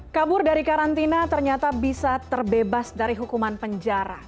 kabur dari karantina ternyata bisa terbebas dari hukuman penjara